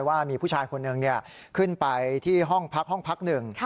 ว่ามีผู้ชายคนหนึ่งขึ้นไปที่ห้องพักห้องพักหนึ่ง